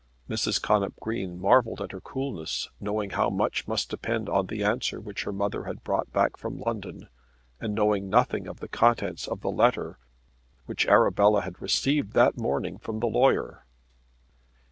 Mrs. Connop Green marvelled at her coolness knowing how much must depend on the answer which her mother had brought back from London, and knowing nothing of the contents of the letter which Arabella had received that morning from the lawyer.